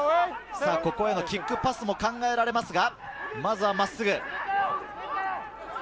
ここへのキックパスも考えられますが、まずは真っすぐ。